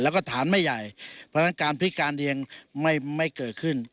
แล้วก็ฐานไม่ใหญ่เพราะฉะนั้นการพิการเรียงไม่เกิดขึ้น